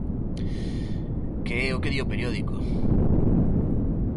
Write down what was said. Que é o que di o periódico.